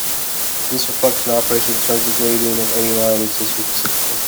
This reflection operation turns the gradient of any line into its reciprocal.